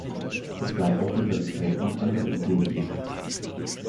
Es gab auch Rivalitäten mit anderen Groupies.